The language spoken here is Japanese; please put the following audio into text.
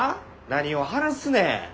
何を話すねん。